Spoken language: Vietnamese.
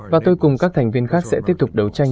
và tôi cùng các thành viên khác sẽ tiếp tục đấu tranh